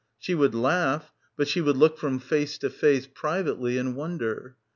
She would laugh, but she would look from face to face, privately, and wonder.